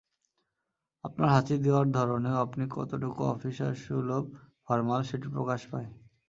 আপনার হাঁচি দেওয়ার ধরনেও আপনি কতটুকু অফিসারসুলভ ফরমাল, সেটি প্রকাশ পায়।